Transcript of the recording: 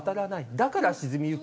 だから沈みゆく。